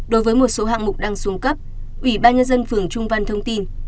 đối với một số hạng mục đang xuống cấp ủy ban nhân dân phường trung văn thông tin